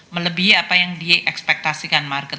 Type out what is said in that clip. melebihi apa yang diekspektasikan market